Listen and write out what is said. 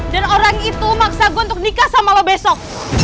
dan orang itu maksa gue untuk nikah sama lo besok